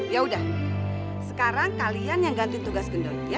yaudah sekarang kalian yang ganti tugas gendon ya